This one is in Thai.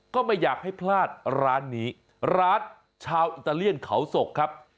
ก็ไม่อยากให้พลาดร้านนี้ร้านชาวอิตาเลียนเขาศกครับ